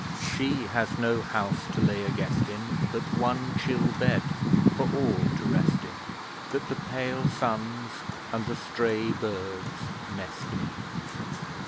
She has no house to lay a guest in But one chill bed for all to rest in, That the pale suns and the stray bergs nest in.